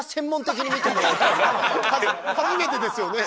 初めてですよね？